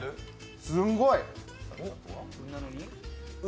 すんごい。